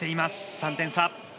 ３点差。